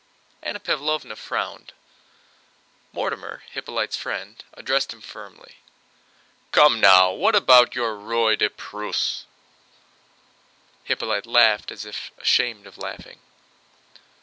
Anna Pávlovna frowned. Mortemart, Hippolyte's friend, addressed him firmly. "Come now, what about your Roi de Prusse?" Hippolyte laughed as if ashamed of laughing.